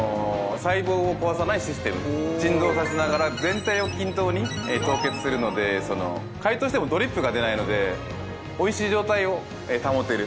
振動させながら全体を均等に凍結するので解凍してもドリップが出ないので美味しい状態を保てる。